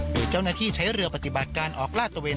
โดยเจ้าหน้าที่ใช้เรือปฏิบัติการออกลาดตระเวน